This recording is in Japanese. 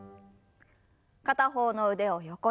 片方の腕を横に。